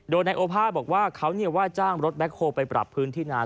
โดยนายโอภาบอกว่าเขาว่าจ้างรถแคลไปปรับพื้นที่นาน